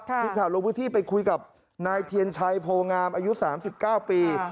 ทีมข่าวลงพื้นที่ไปคุยกับนายเทียนชัยโพงามอายุ๓๙ปี